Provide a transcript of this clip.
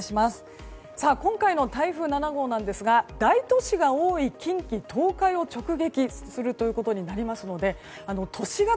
今回の台風７号ですが大都市が多い近畿・東海を直撃することになりますので都市型